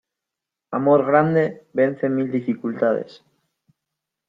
Amor grande, vence mil dificultades.